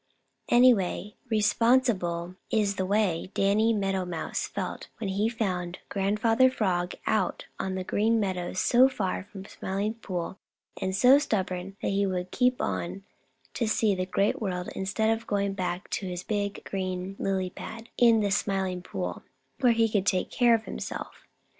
Anyway, re spon sible is the way Danny Meadow Mouse felt when he found Grandfather Frog out on the Green Meadows so far from the Smiling Pool and so stubborn that he would keep on to see the Great World instead of going back to his big green lily pad in the Smiling Pool, where he could take care of himself.